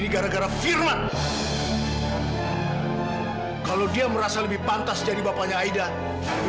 kamu dari dulu gak pernah berubah